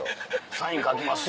サイン書きますよ！